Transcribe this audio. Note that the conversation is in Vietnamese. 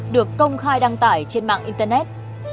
được công khai đăng tải trên mạng internet